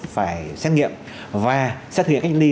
phải xét nghiệm và sẽ thực hiện cách ly